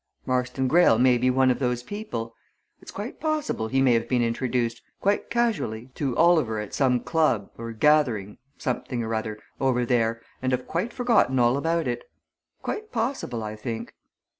Marston Greyle may be one of those people it's quite possible he may have been introduced, quite casually, to Oliver at some club, or gathering, something or other, over there and have quite forgotten all about it. Quite possible, I think."